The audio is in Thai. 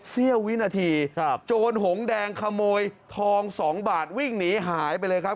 เสี้ยววินาทีโจรหงแดงขโมยทอง๒บาทวิ่งหนีหายไปเลยครับ